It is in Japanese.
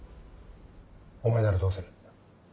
お前ならどうする？